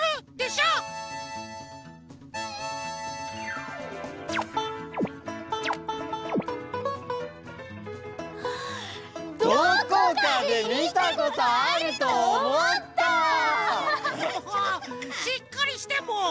しっかりしてもう！